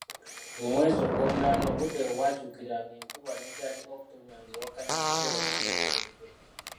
Mu mwezi ogwomunaana obudde we bwakyukiranga enkuba n'etandika okutonya ng'ewakanya ekiseera kiri ekiwedde.